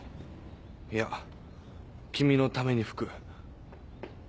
「いや君のために吹く」